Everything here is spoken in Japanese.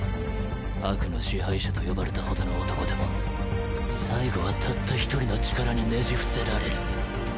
悪の支配者と呼ばれた程の男でも最後はたった１人の力にねじ伏せられる。